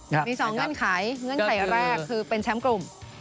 มี๒เงื่อนไขเงื่อนไขแรกคือเป็นแชมป์กลุ่ม